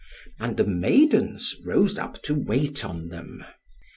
And the maidens rose up to wait on them.